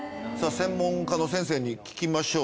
専門家の先生に聞きましょう。